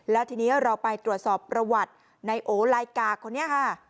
แล้วทีนี้เราไปตรวจสอบประวัติในโอลายกากคนนี้ค่ะ